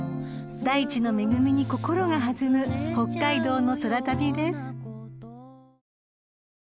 ［大地の恵みに心が弾む北海道の空旅です］